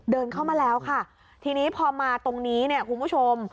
เดินเข้ามาแล้วค่ะทีนี้พอมาตรงนี้เนี่ยคุณผู้ชม